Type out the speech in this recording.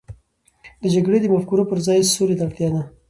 د جګړې د مفکورو پر ځای، سولې ته اړتیا ده.